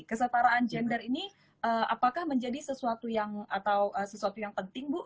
kesetaraan gender ini apakah menjadi sesuatu yang atau sesuatu yang penting bu